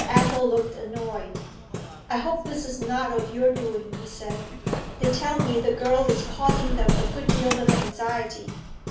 Athel looked annoyed. 'I hope this is not of your doing,' he said. 'They tell me the girl is causing them a good deal of anxiety.